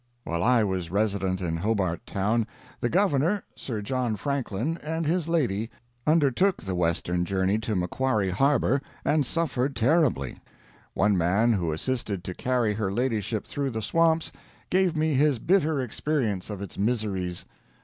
While I was resident in Hobart Town, the Governor, Sir John Franklin, and his lady, undertook the western journey to Macquarrie Harbor, and suffered terribly. One man who assisted to carry her ladyship through the swamps, gave me his bitter experience of its miseries.